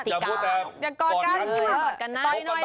ต่อนกาลเถอะต่อย